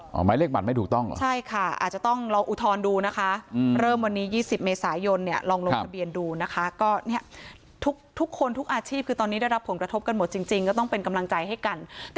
อ๋อหมายเลขบัตรไม่ถูกต้องเหรอ